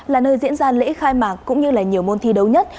là nơi diễn ra lễ khai mạc cũng như là nhiều môn thi đấu nhất